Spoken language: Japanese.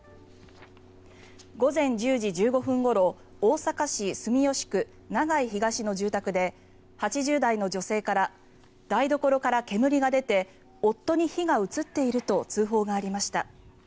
午前１０時１５分ごろ大阪市住吉区長居東の住宅で８０代の女性から台所から煙が出て夫に火が移っていると通報がありました。